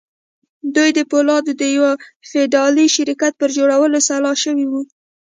دوی د پولادو د يوه فدرالي شرکت پر جوړولو سلا شوي وو.